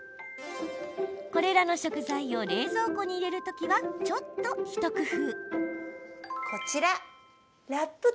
これらの食材を冷蔵庫に入れる時はちょっと一工夫。